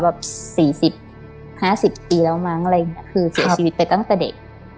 แบบ๔๐๕๐ปีแล้วมั้งอะไรอย่างเงี้ยคือเสียชีวิตไปตั้งแต่เด็ก